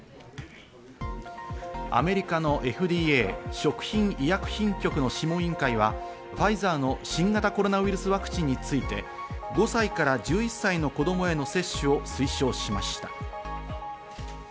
アメリカのＦＤＡ＝食品医薬品局の諮問委員会はファイザーの新型コロナウイルスワクチンについて、５歳から１１歳の子供への接種を推奨しました。